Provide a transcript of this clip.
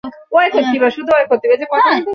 প্রাচীন রোম ও গ্রীসেও এই নিয়ম প্রচলিত ছিল।